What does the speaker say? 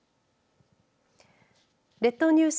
列島ニュース